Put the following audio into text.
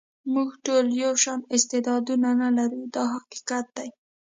موږ ټول یو شان استعدادونه نه لرو دا حقیقت دی.